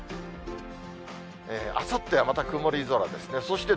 あさってはまた曇り空ですね。